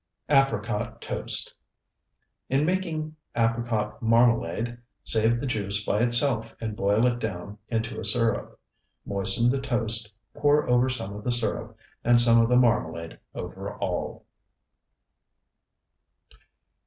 APRICOT TOAST In making apricot marmalade, save the juice by itself and boil it down into a syrup. Moisten the toast, pour over some of the syrup, and some of the marmalade over all.